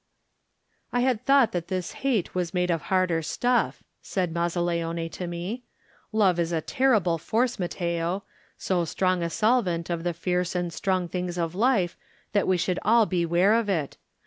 "I had thought that this hate was made of harder stuff," said Mazzaleone to me. "Love is a terrible force, Matteo; so strong 67 Digitized by Google THE NINTH MAN a solvent of the fierce and strong things of life that we should all beware of it.